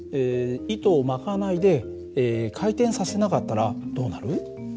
糸を巻かないで回転させなかったらどうなる？